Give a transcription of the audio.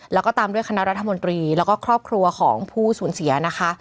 แล้วก็ตามด้วยคณะรัฐมนตรีแล้วก็ครอบครัวของผู้สูญเสียนะคะ